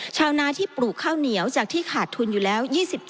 ชาวนาที่ปลูกข้าวเหนียวจากที่ขาดทุนอยู่แล้ว